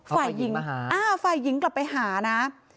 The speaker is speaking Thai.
ฝ่ายหญิงกลับไปหานะ